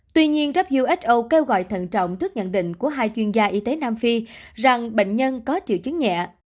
tuy nhiên who kêu gọi thận trọng trước nhận định của hai chuyên gia y tế nam phi rằng bệnh nhân có triệu chứng nhẹ